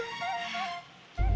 muka dia senang sekali